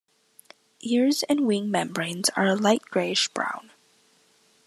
Ears and wing membranes are a light greyish brown.